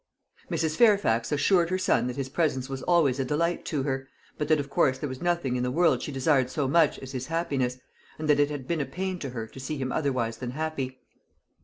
Mrs. Fairfax assured her son that his presence was always a delight to her, but that, of course, there was nothing in the world she desired so much as his happiness, and that it had been a pain to her to see him otherwise than happy.